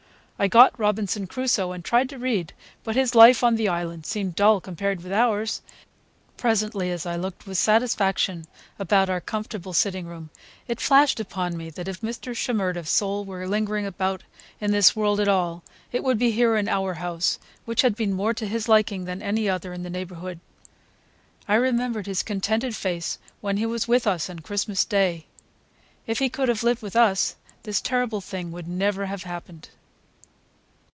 I got "Robinson Crusoe" and tried to read, but his life on the island seemed dull compared with ours. Presently, as I looked with satisfaction about our comfortable sitting room, it flashed upon me that if Mr. Shimerda's soul were lingering about in this world at all, it would be here, in our house, which had been more to his liking than any other in the neighborhood. I remembered his contented face when he was with us on Christmas Day. If he could have lived with us, this terrible thing would never have happened.